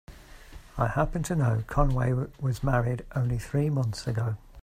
I happen to know Conway was married only three months ago.